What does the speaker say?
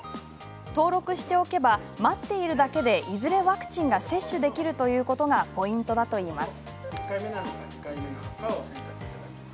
登録しておけば待っているだけでいずれワクチンが接種できるということがポイントだといいます。